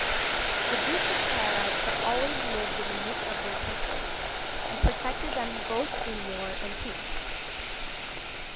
The Dukes of Clarides had always lived in the midst of their people, and protected them both in war and peace.